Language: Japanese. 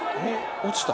落ちた？